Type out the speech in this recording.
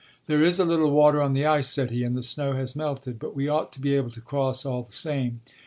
"There is a little water on the ice," said he, "and the snow has melted; but we ought to be able to cross all the same.